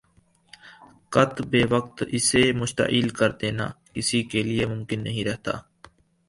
قت بے وقت اسے مشتعل کر دینا کسی کے لیے ممکن نہیں رہتا